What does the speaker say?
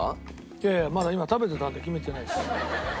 いやいやまだ今食べてたので決めてないです。